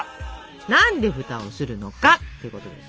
何で蓋をするのかってことです。